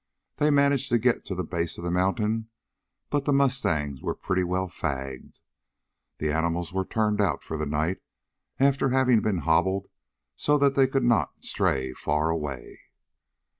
They managed to get to the base of the mountain, but the mustangs were pretty well fagged. The animals were turned out for the night after having been hobbled so that they could not stray far away.